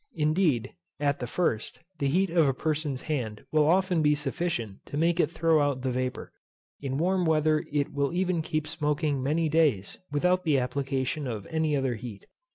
Indeed, at the first, the heat of a person's hand will often be sufficient to make it throw out the vapour. In warm weather it will even keep smoking many days without the application of any other heat.